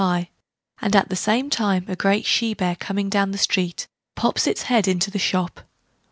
gif)] and at the same time a great she bear, coming down the street, pops its head into the shop.